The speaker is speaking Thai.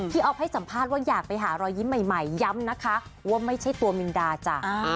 อ๊อฟให้สัมภาษณ์ว่าอยากไปหารอยยิ้มใหม่ย้ำนะคะว่าไม่ใช่ตัวมินดาจ้ะ